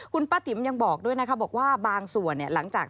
ก็จากที่ก็สุดนี้ถ้าพี่ถึงที่ตลอด